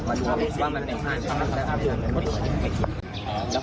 ว่าทำไมมันเป็นแบบนี้ทำไมมันเกี่ยวเปล่า